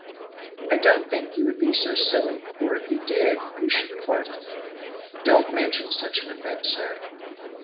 "I don't think you would be so silly. For if you did, we should part." "Don't mention such an event, sir."